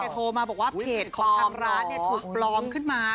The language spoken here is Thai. โทรมาบอกว่าเพจของทางร้านถูกปลอมขึ้นมา